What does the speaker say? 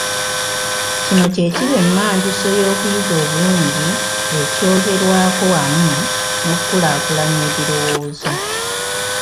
Kino kye kiba emmanduso y’okuyiga obulungi ekyogerwako wamu n’okukulaakulanya ebirowoozo.